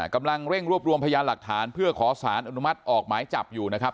กำลังเร่งรวบรวมพยานหลักฐานเพื่อขอสารอนุมัติออกหมายจับอยู่นะครับ